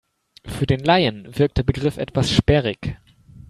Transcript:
Für den Laien wirkt der Begriff etwas sperrig.